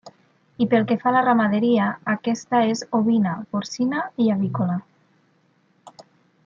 I pel que fa a la ramaderia, aquesta és ovina, porcina i avícola.